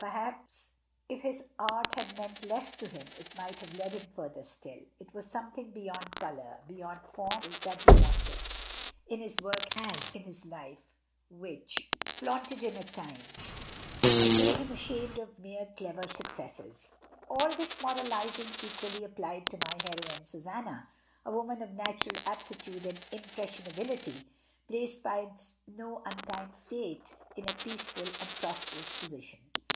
Perhaps if his art had meant less to him it might have led him further still; it was something beyond colour, beyond form tbat he wanted, in his work as in his life, which Mrs. Dyntond, II, . 6 82 MRS. DYMOND. haunted him at times and made him ashamed of mere clever successes. All this moralising equally applies to my heroine, Susanna, a woman of natural aptitude and im pressionability, placed by no unkind fate in a peace ful and prosperous position.